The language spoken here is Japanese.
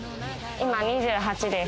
今、２８です。